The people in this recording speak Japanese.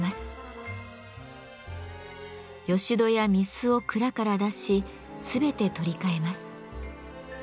よし戸や御簾を蔵から出し全て取り替えます。